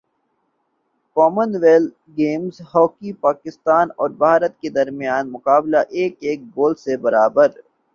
common wealth Games hockey Pakistan اور بھارت کے درمیان مقابلہ ایک ایک گول سے برابر